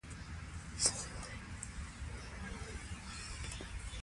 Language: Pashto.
له هغه څخه یې پوښتنه وکړه چې آیا تخصص لرې